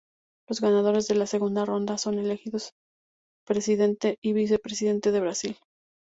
Los ganadores de la segunda ronda son elegidos Presidente y Vicepresidente de Brasil.